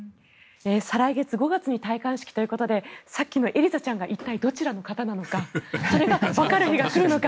再来月、５月に戴冠式ということでさっきのエリザちゃんが一体どちらの方なのかそれが分かる日が来るのか